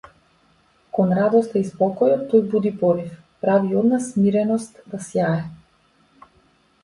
Кон радоста и спокојот тој буди порив, прави од нас смиреност да сјае.